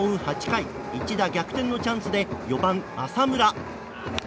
８回一打逆転のチャンスで４番、浅村。